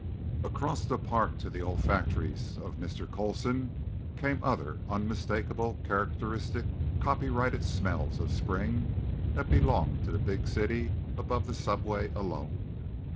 Across the park to the olfactories of Mr. Coulson came other unmistakable, characteristic, copyrighted smells of spring that belong to the big city above the Subway, alone.